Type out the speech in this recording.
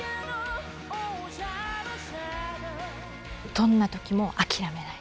どんな時も諦めない。